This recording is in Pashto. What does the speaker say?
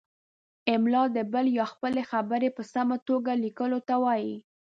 املاء د بل یا خپلې خبرې په سمه توګه لیکلو ته وايي.